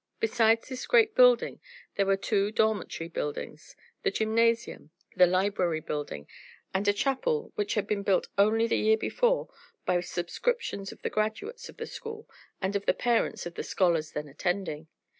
Besides this great building there were two dormitory buildings, the gymnasium, the library building, and a chapel which had been built only the year before by subscriptions of the graduates of the school and of the parents of the scholars then attending.